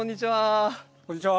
こんにちは。